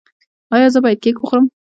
ایا زه باید کیک وخورم؟